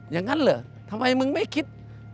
อย่างนั้นเหรอทำไมมึงไม่คิด